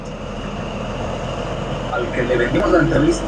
Artista todoterreno, se encargó de continuar gran cantidad de series ajenas.